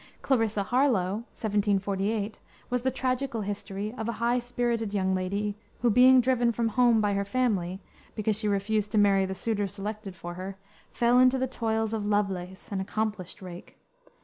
Clarissa Harlowe, 1748, was the tragical history of a high spirited young lady, who being driven from home by her family, because she refused to marry the suitor selected for her, fell into the toils of Lovelace, an accomplished rake.